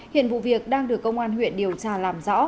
hiện vụ việc đang được công an huyện điều tra làm rõ